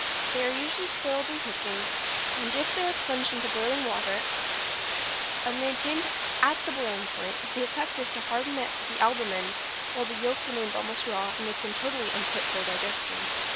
= Eggs are usually spoiled in cooking; if they are plunged into boiling water, and maintained at the boiling point, the effect is to harden the albumen while the yolk remains almost raw, and make them totally unfit for digestion.